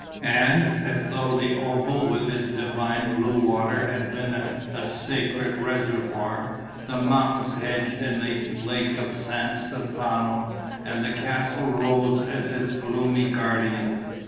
And, as though the oval with its divine blue water had been a sacred reservoir, the mountains hedged in the Lake of San Stefano and the castle rose as its gloomy guardian.